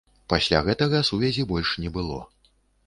Пасля гэтага сувязі больш не было.